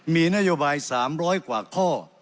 มีนโยบาย๓๐๐กว่าข้อ